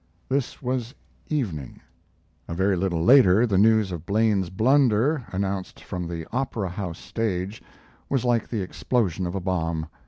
This was evening. A very little later the news of Blaine's blunder, announced from the opera house stage, was like the explosion of a bomb.